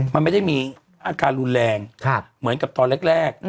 มันไม่ได้มีอาการรุนแรงเหมือนกับตอนแรก